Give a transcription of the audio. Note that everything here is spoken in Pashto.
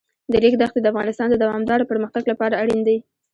د ریګ دښتې د افغانستان د دوامداره پرمختګ لپاره اړین دي.